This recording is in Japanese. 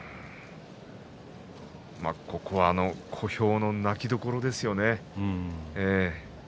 小兵の泣きどころですよね。